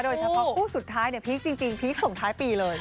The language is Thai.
เฉพาะคู่สุดท้ายเนี่ยพีคจริงพีคส่งท้ายปีเลย